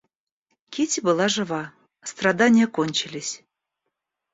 Кити была жива, страдания кончились.